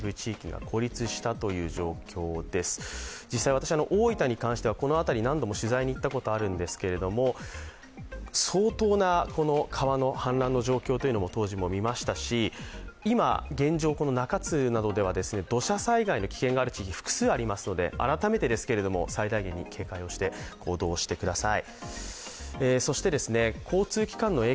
私、大分に関してはこの辺り、何度も取材に行ったことがあるんですけれども、相当な川の氾濫の状況というのを当時も見ましたし今、現状、中津などでは土砂災害の危険のある地域、複数ありますので改めてですけれども、最大限に警戒をして行動してください。